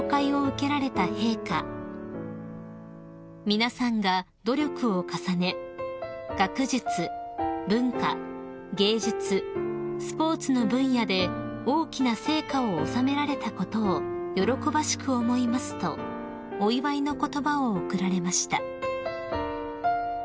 ［「皆さんが努力を重ね学術文化芸術スポーツの分野で大きな成果を収められたことを喜ばしく思います」とお祝いの言葉を贈られました］